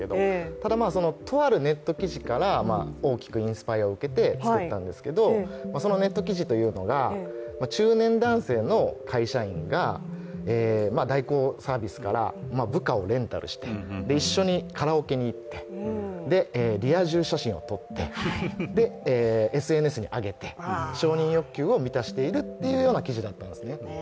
ただ、とあるネット記事から、大きくインスパイアを受けて作ったんですがそのネット記事というのが中年男性の会社員が代行サービスから部下をレンタルして一緒にカラオケに行ってで、リア充写真をとって、ＳＮＳに上げて承認欲求を満たしているという記事だったんですね。